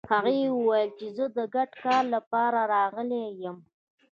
هغه ويل چې زه د ګډ کار لپاره راغلی يم.